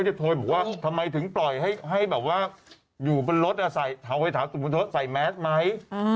ก็จะโทยบอกว่าทำไมถึงปล่อยให้แบบว่าอยู่บนรถเอาไว้ถามสมมุติว่าใส่แม็กซ์ไหม